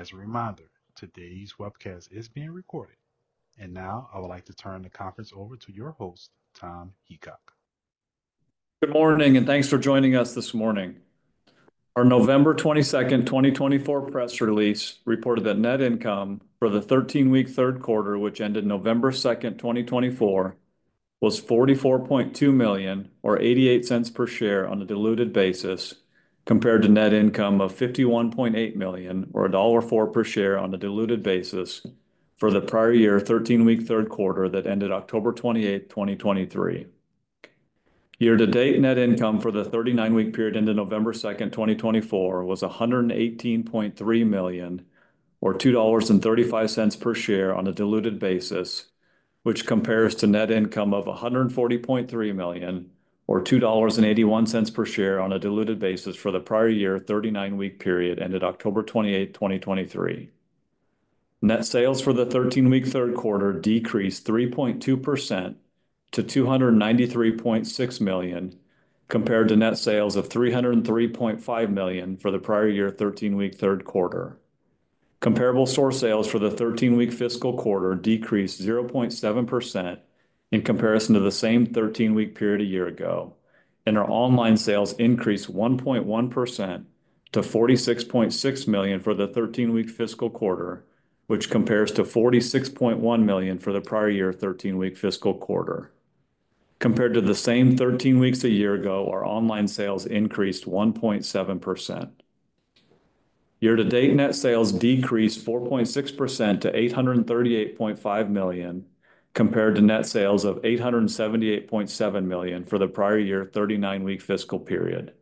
As a reminder, today's webcast is being recorded. Now I would like to turn the conference over to your host, Tom Heacock. Good morning, and thanks for joining us this morning. Our November 22nd, 2024 press release reported that net income for the 13-week third quarter, which ended November 2nd, 2024, was $44.2 million, or $0.88 per share on a diluted basis, compared to net income of $51.8 million, or $1.04 per share on a diluted basis, for the prior year 13-week third quarter that ended October 28th, 2023. Year-to-date net income for the 39-week period ended November 2nd, 2024, was $118.3 million, or $2.35 per share on a diluted basis, which compares to net income of $140.3 million, or $2.81 per share on a diluted basis, for the prior year 39-week period ended October 28th, 2023. Net sales for the 13-week third quarter decreased 3.2% to $293.6 million, compared to net sales of $303.5 million for the prior year 13-week third quarter. Comparable store sales for the 13-week fiscal quarter decreased 0.7% in comparison to the same 13-week period a year ago, and our online sales increased 1.1% to $46.6 million for the 13-week fiscal quarter, which compares to $46.1 million for the prior year 13-week fiscal quarter. Compared to the same 13 weeks a year ago, our online sales increased 1.7%. Year-to-date net sales decreased 4.6% to $838.5 million, compared to net sales of $878.7 million for the prior year 39-week fiscal period.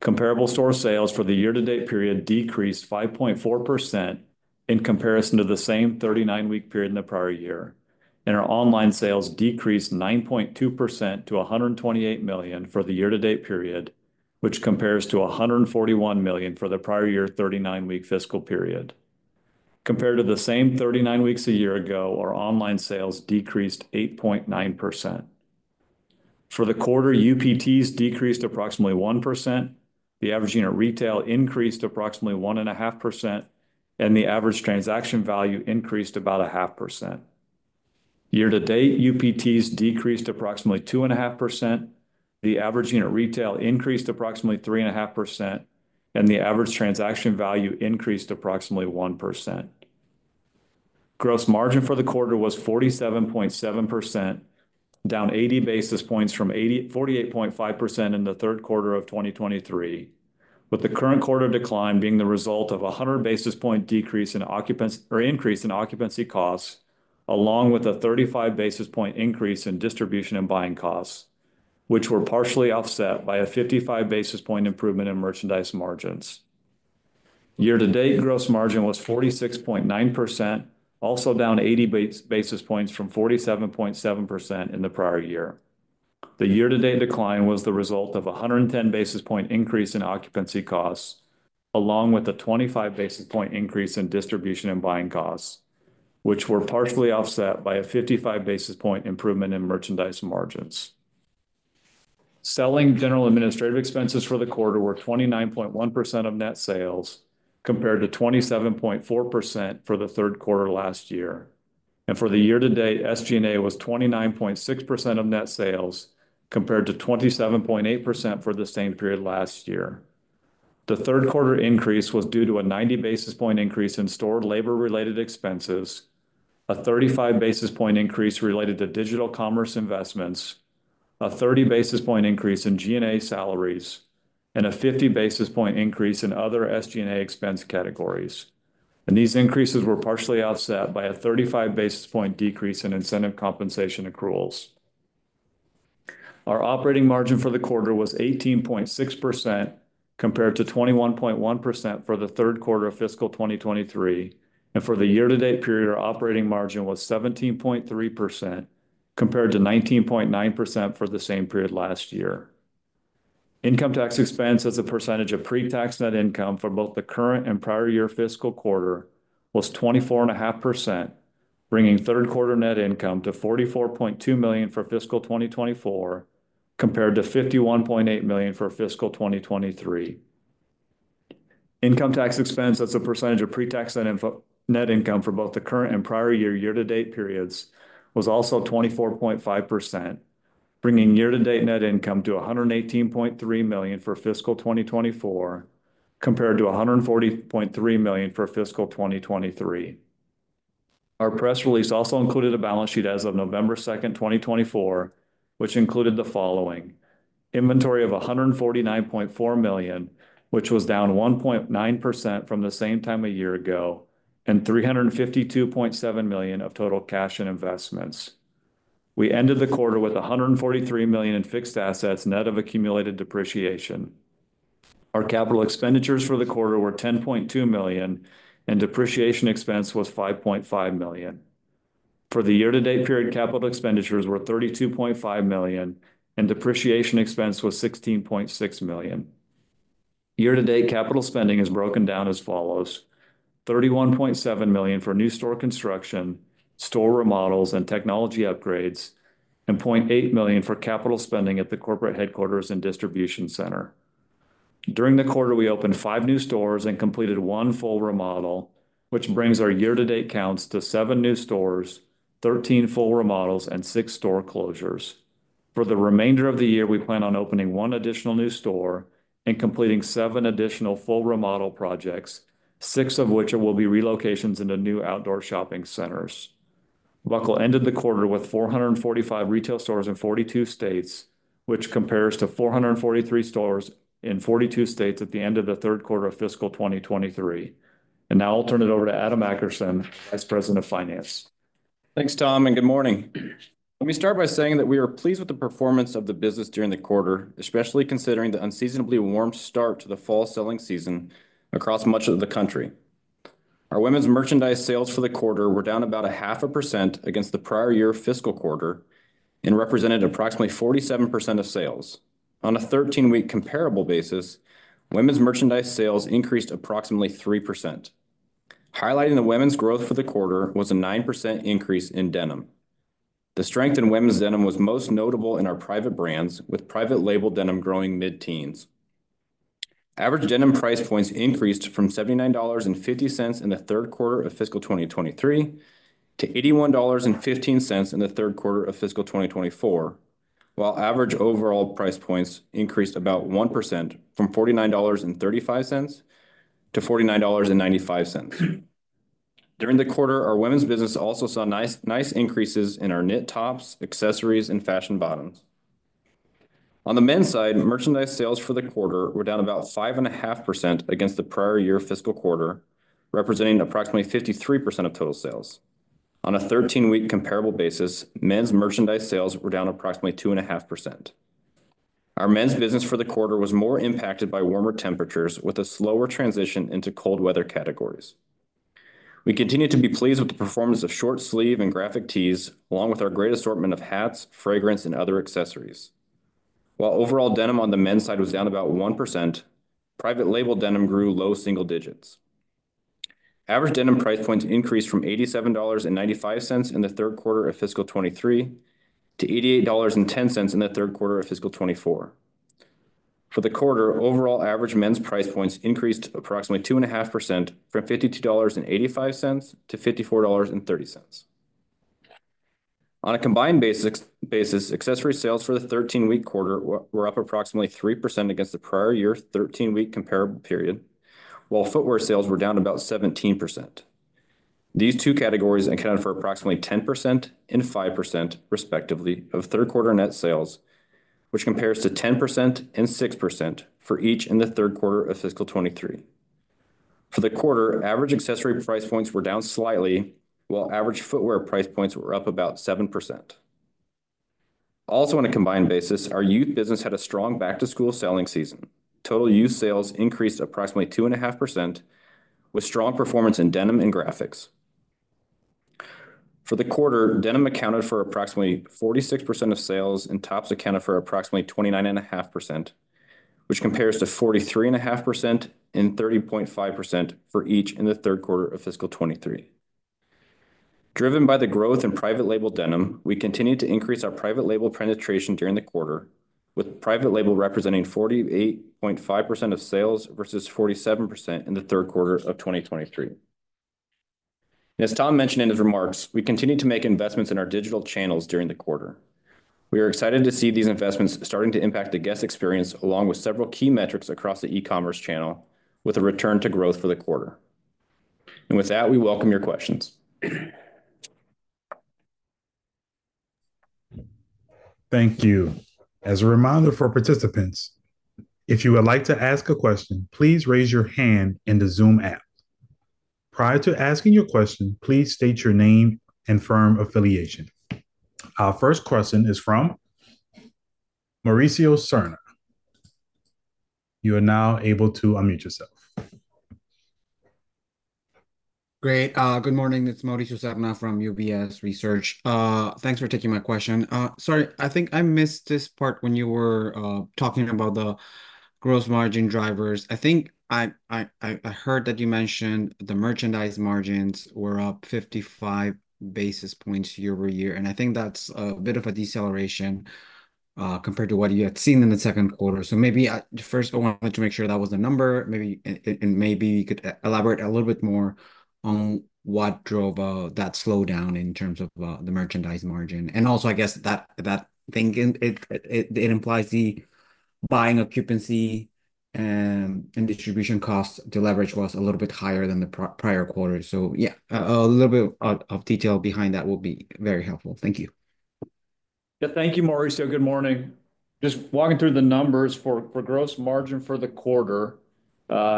Comparable store sales for the year-to-date period decreased 5.4% in comparison to the same 39-week period in the prior year, and our online sales decreased 9.2% to $128 million for the year-to-date period, which compares to $141 million for the prior year 39-week fiscal period. Compared to the same 39 weeks a year ago, our online sales decreased 8.9%. For the quarter, UPTs decreased approximately 1%, the average unit retail increased approximately 1.5%, and the average transaction value increased about 0.5%. Year-to-date, UPTs decreased approximately 2.5%, the average unit retail increased approximately 3.5%, and the average transaction value increased approximately 1%. Gross margin for the quarter was 47.7%, down 80 basis points from 48.5% in the third quarter of 2023, with the current quarter decline being the result of a 100 basis point decrease in or increase in occupancy costs, along with a 35 basis point increase in distribution and buying costs, which were partially offset by a 55 basis point improvement in merchandise margins. Year-to-date gross margin was 46.9%, also down 80 basis points from 47.7% in the prior year. The year-to-date decline was the result of a 110 basis point increase in occupancy costs, along with a 25 basis point increase in distribution and buying costs, which were partially offset by a 55 basis point improvement in merchandise margins. Selling, general, and administrative expenses for the quarter were 29.1% of net sales, compared to 27.4% for the third quarter last year. For the year-to-date, SG&A was 29.6% of net sales, compared to 27.8% for the same period last year. The third quarter increase was due to a 90 basis point increase in store labor-related expenses, a 35 basis point increase related to digital commerce investments, a 30 basis point increase in G&A salaries, and a 50 basis point increase in other SG&A expense categories. These increases were partially offset by a 35 basis point decrease in incentive compensation accruals. Our operating margin for the quarter was 18.6%, compared to 21.1% for the third quarter of fiscal 2023. For the year-to-date period, our operating margin was 17.3%, compared to 19.9% for the same period last year. Income tax expense as a percentage of pre-tax net income for both the current and prior year fiscal quarter was 24.5%, bringing third quarter net income to $44.2 million for fiscal 2024, compared to $51.8 million for fiscal 2023. Income tax expense as a percentage of pre-tax net income for both the current and prior year year-to-date periods was also 24.5%, bringing year-to-date net income to $118.3 million for fiscal 2024, compared to $140.3 million for fiscal 2023. Our press release also included a balance sheet as of November 2nd, 2024, which included the following: inventory of $149.4 million, which was down 1.9% from the same time a year ago, and $352.7 million of total cash and investments. We ended the quarter with $143 million in fixed assets net of accumulated depreciation. Our capital expenditures for the quarter were $10.2 million, and depreciation expense was $5.5 million. For the year-to-date period, capital expenditures were $32.5 million, and depreciation expense was $16.6 million. Year-to-date capital spending is broken down as follows: $31.7 million for new store construction, store remodels, and technology upgrades, and $0.8 million for capital spending at the corporate headquarters and distribution center. During the quarter, we opened five new stores and completed one full remodel, which brings our year-to-date counts to seven new stores, 13 full remodels, and six store closures. For the remainder of the year, we plan on opening one additional new store and completing seven additional full remodel projects, six of which will be relocations into new outdoor shopping centers. Buckle ended the quarter with 445 retail stores in 42 states, which compares to 443 stores in 42 states at the end of the third quarter of fiscal 2023. And now I'll turn it over to Adam Akerson, Vice President of Finance. Thanks, Tom, and good morning. Let me start by saying that we are pleased with the performance of the business during the quarter, especially considering the unseasonably warm start to the fall selling season across much of the country. Our women's merchandise sales for the quarter were down about 0.5% against the prior year fiscal quarter and represented approximately 47% of sales. On a 13-week comparable basis, women's merchandise sales increased approximately 3%. Highlighting the women's growth for the quarter was a 9% increase in denim. The strength in women's denim was most notable in our private brands, with private label denim growing mid-teens. Average denim price points increased from $79.50 in the third quarter of fiscal 2023 to $81.15 in the third quarter of fiscal 2024, while average overall price points increased about 1% from $49.35 to $49.95. During the quarter, our women's business also saw nice increases in our knit tops, accessories, and fashion bottoms. On the men's side, merchandise sales for the quarter were down about 5.5% against the prior year fiscal quarter, representing approximately 53% of total sales. On a 13-week comparable basis, men's merchandise sales were down approximately 2.5%. Our men's business for the quarter was more impacted by warmer temperatures, with a slower transition into cold weather categories. We continue to be pleased with the performance of short sleeve and graphic tees, along with our great assortment of hats, fragrance, and other accessories. While overall denim on the men's side was down about 1%, private label denim grew low single digits. Average denim price points increased from $87.95 in the third quarter of fiscal 2023 to $88.10 in the third quarter of fiscal 2024. For the quarter, overall average men's price points increased approximately 2.5% from $52.85 to $54.30. On a combined basis, accessory sales for the 13-week quarter were up approximately 3% against the prior year 13-week comparable period, while footwear sales were down about 17%. These two categories accounted for approximately 10% and 5%, respectively, of third quarter net sales, which compares to 10% and 6% for each in the third quarter of fiscal 2023. For the quarter, average accessory price points were down slightly, while average footwear price points were up about 7%. Also, on a combined basis, our youth business had a strong back-to-school selling season. Total youth sales increased approximately 2.5%, with strong performance in denim and graphics. For the quarter, denim accounted for approximately 46% of sales, and tops accounted for approximately 29.5%, which compares to 43.5% and 30.5% for each in the third quarter of fiscal 2023. Driven by the growth in private label denim, we continue to increase our private label penetration during the quarter, with private label representing 48.5% of sales versus 47% in the third quarter of 2023. As Tom mentioned in his remarks, we continue to make investments in our digital channels during the quarter. We are excited to see these investments starting to impact the guest experience, along with several key metrics across the e-commerce channel, with a return to growth for the quarter. And with that, we welcome your questions. Thank you. As a reminder for participants, if you would like to ask a question, please raise your hand in the Zoom app. Prior to asking your question, please state your name and firm affiliation. Our first question is from Mauricio Serna. You are now able to unmute yourself. Great. Good morning. It's Mauricio Serna from UBS Research. Thanks for taking my question. Sorry, I think I missed this part when you were talking about the gross margin drivers. I think I heard that you mentioned the merchandise margins were up 55 basis points year over year, and I think that's a bit of a deceleration compared to what you had seen in the second quarter. So maybe first, I wanted to make sure that was the number. Maybe you could elaborate a little bit more on what drove that slowdown in terms of the merchandise margin. And also, I guess that, thinking it implies, the buying, occupancy, and distribution costs to leverage was a little bit higher than the prior quarter. So yeah, a little bit of detail behind that will be very helpful. Thank you. Yeah, thank you, Mauricio. Good morning. Just walking through the numbers for gross margin for the quarter,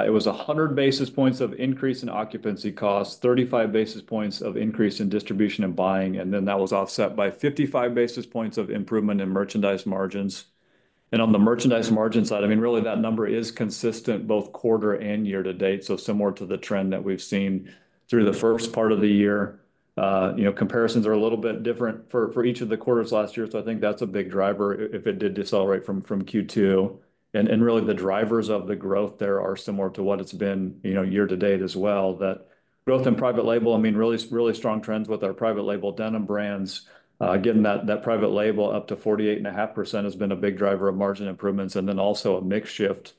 it was 100 basis points of increase in occupancy costs, 35 basis points of increase in distribution and buying, and then that was offset by 55 basis points of improvement in merchandise margins. And on the merchandise margin side, I mean, really that number is consistent both quarter and year-to-date, so similar to the trend that we've seen through the first part of the year. Comparisons are a little bit different for each of the quarters last year, so I think that's a big driver if it did decelerate from Q2. And really the drivers of the growth there are similar to what it's been year-to-date as well. That growth in private label, I mean, really strong trends with our private label denim brands. Again, that private label up to 48.5% has been a big driver of margin improvements. And then also a mix shift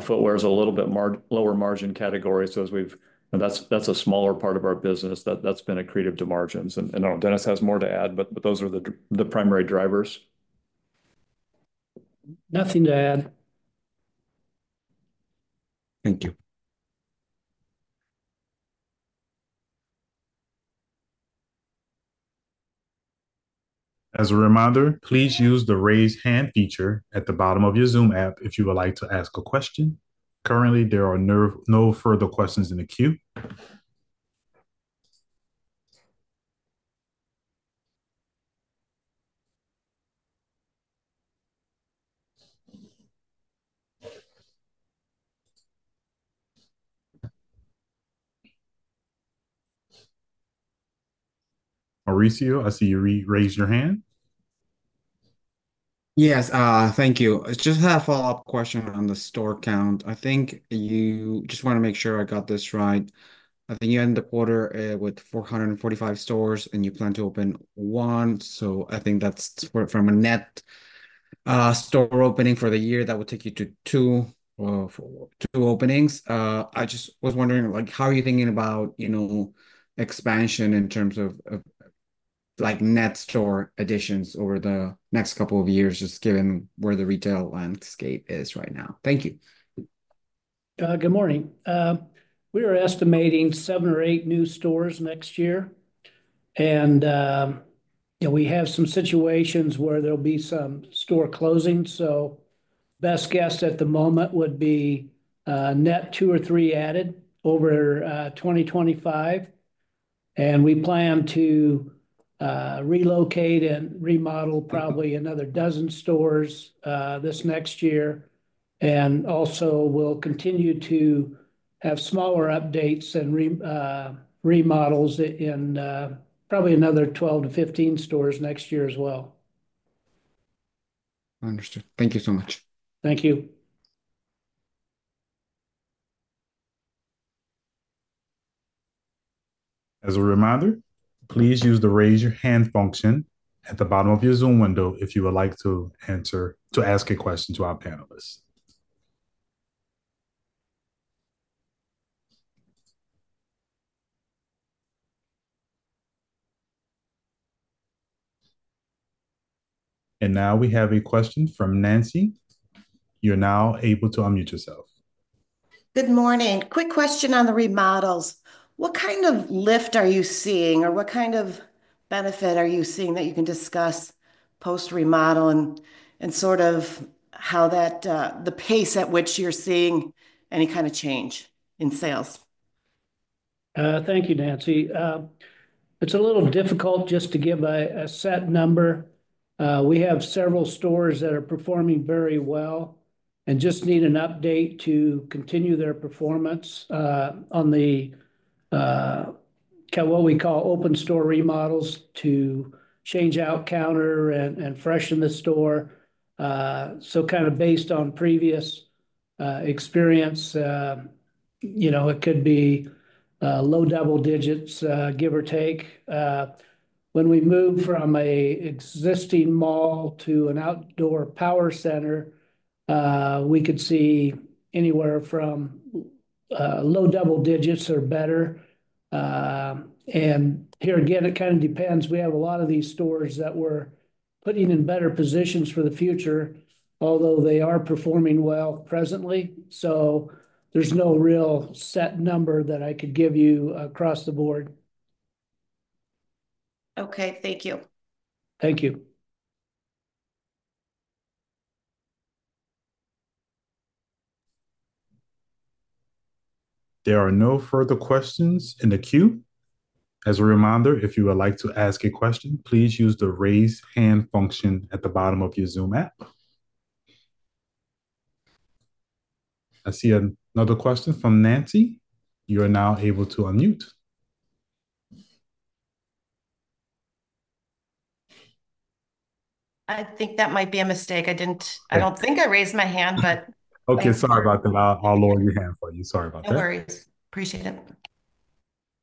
footwear is a little bit lower margin category. So as we've, that's a smaller part of our business that's been accretive to margins. And I don't know if Dennis has more to add, but those are the primary drivers. Nothing to add. Thank you. As a reminder, please use the raise hand feature at the bottom of your Zoom app if you would like to ask a question. Currently, there are no further questions in the queue. Mauricio, I see you raised your hand. Yes, thank you. Just had a follow-up question on the store count. I think you just want to make sure I got this right. I think you end the quarter with 445 stores, and you plan to open one. So I think that's from a net store opening for the year, that would take you to two openings. I just was wondering, how are you thinking about expansion in terms of net store additions over the next couple of years, just given where the retail landscape is right now? Thank you. Good morning. We are estimating seven or eight new stores next year. And we have some situations where there'll be some store closings. So best guess at the moment would be net two or three added over 2025. And we plan to relocate and remodel probably another dozen stores this next year. And also we'll continue to have smaller updates and remodels in probably another 12-15 stores next year as well. Understood. Thank you so much. Thank you. As a reminder, please use the raise your hand function at the bottom of your Zoom window if you would like to ask a question to our panelists. And now we have a question from Nancy. You're now able to unmute yourself. Good morning. Quick question on the remodels. What kind of lift are you seeing, or what kind of benefit are you seeing that you can discuss post-remodel and sort of how the pace at which you're seeing any kind of change in sales? Thank you, Nancy. It's a little difficult just to give a set number. We have several stores that are performing very well and just need an update to continue their performance on the, what we call, open store remodels to change out counter and freshen the store. So kind of based on previous experience, it could be low double digits, give or take. When we move from an existing mall to an outdoor power center, we could see anywhere from low double digits or better. And here again, it kind of depends. We have a lot of these stores that we're putting in better positions for the future, although they are performing well presently. So there's no real set number that I could give you across the board. Okay. Thank you. Thank you. There are no further questions in the queue. As a reminder, if you would like to ask a question, please use the raise hand function at the bottom of your Zoom app. I see another question from Nancy. You are now able to unmute. I think that might be a mistake. I don't think I raised my hand, but. Okay. Sorry about that. I'll lower your hand for you. Sorry about that. No worries. Appreciate it.